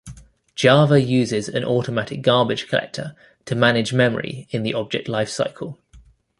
Java uses an automatic garbage collector to manage memory in the object lifecycle.